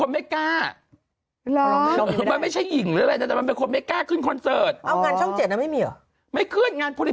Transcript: งานช่อง๗ขึ้นแต่มันเป็นเดียวไงมันไม่ยอมขึ้นอะไรเลย